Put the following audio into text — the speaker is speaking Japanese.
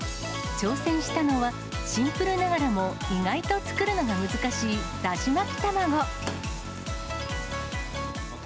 挑戦したのは、シンプルながらも意外と作るのが難しいだし巻き卵。